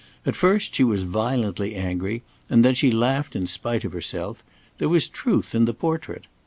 At first she was violently angry and then she laughed in spite of herself; there was truth in the portrait.